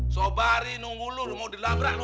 sobari nunggu lu udah mau dilabrak lu